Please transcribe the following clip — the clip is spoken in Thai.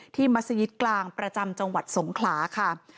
มัศยิตกลางประจำจังหวัดสงขลาค่ะ